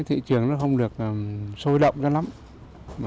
thị trường nó không được sôi động cho lắm